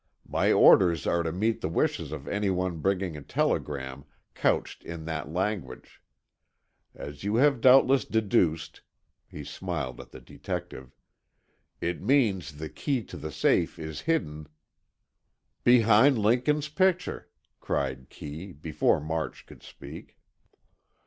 My orders are to meet the wishes of any one bringing a telegram couched in that language. As you have doubtless deduced," he smiled at the detective, "it means the key to the safe is hidden——" "Behind Lincoln's picture," cried Kee, before March could speak.